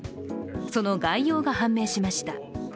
その概要が判明しました。